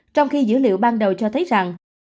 trong khi dữ liệu ban đầu cho thấy rằng